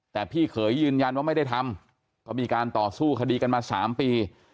แต่พี่เขยยืนยันว่าไม่ได้ทำก็มีการต่อสู้คดีกันมา๓ปี